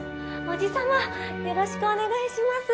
おじ様よろしくお願いします。